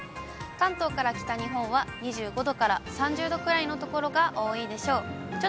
関東から北日本は２５度から３０度くらいの所が多いでしょう。